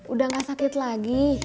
udah gak sakit lagi